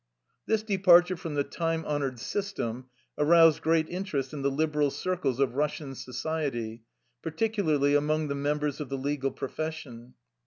This departure from the time honored "sys tem " aroused great interest in the liberal circles of Russian society, particularly among the mem bers of the legal profession.